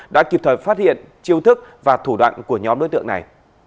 đã kịp thời phát hiện chiêu thức và thủ đoạn của nhóm đối tượng này